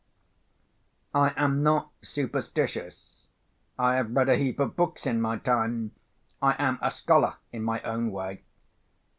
I am not superstitious; I have read a heap of books in my time; I am a scholar in my own way.